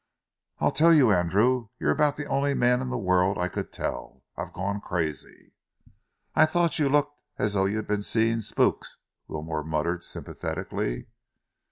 "I'll tell you, Andrew. You're about the only man in the world I could tell. I've gone crazy." "I thought you looked as though you'd been seeing spooks," Wilmore murmured sympathetically.